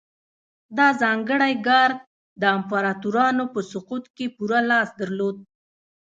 دا ځانګړی ګارډ د امپراتورانو په سقوط کې پوره لاس درلود